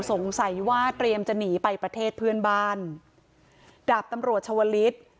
สงสัยว่าเตรียมจะหนีไปประเทศเพื่อนบ้านดาบตำรวจชาวลิศ